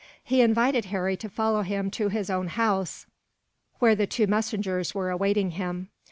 He invited Harry to follow him to his own house, where the two messengers were awaiting him.